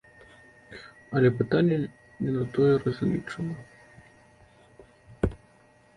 Але пытанне не на тое разлічана.